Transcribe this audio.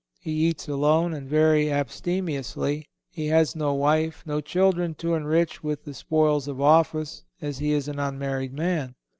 He eats alone and very abstemiously. He has no wife, no children to enrich with the spoils of office, as he is an unmarried man.